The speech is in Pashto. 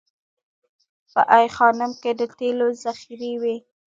په ای خانم کې د تیلو ذخیرې وې